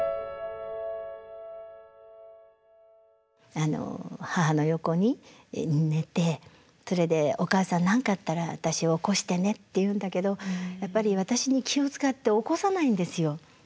あの母の横に寝てそれで「お母さん何かあったら私を起こしてね」って言うんだけどやっぱり私に気を遣って起こさないんですよ。